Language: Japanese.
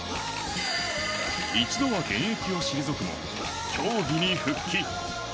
一度は現役を退くも競技に復帰。